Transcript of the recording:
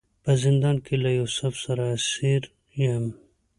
په زندان کې له یوسف سره اسیر یم.